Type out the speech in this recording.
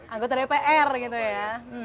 anggota dpr gitu ya